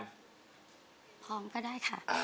พร้อมก็ได้ค่ะ